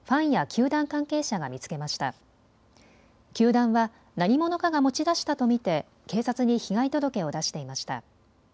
球団は何者かが持ち出したと見て警察に被害届を出していました。